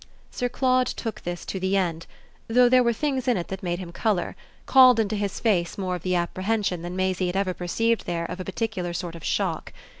Sir Claude took this to the end, though there were things in it that made him colour, called into his face more of the apprehension than Maisie had ever perceived there of a particular sort of shock.